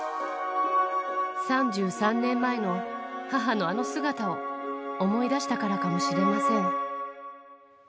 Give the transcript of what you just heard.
３３年前の母のあの姿を思い出したからかもしれません。